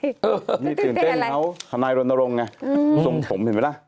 นี่ตื่นเต้นเขาทนายรณรงค์ไงทรงผมเห็นไหมล่ะ